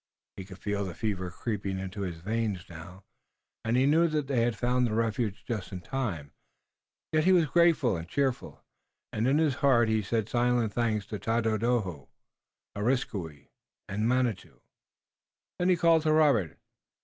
He could feel the fever creeping into his veins now, and he knew that they had found the refuge just in time. Yet he was grateful and cheerful, and in his heart he said silent thanks to Tododaho, Areskoui and Manitou. Then he called to Robert.